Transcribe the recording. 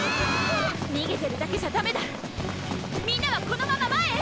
にげてるだけじゃダメだみんなはこのまま前へ！